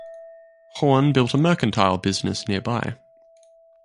Horn built a mercantile business nearby.